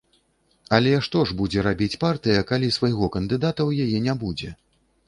Але што ж будзе рабіць партыя, калі свайго кандыдата ў яе не будзе?